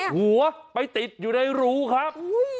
หัวไปติดอยู่ในรูครับ